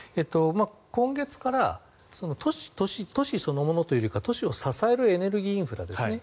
今月から都市そのものというよりは都市を支えるエネルギーインフラですね。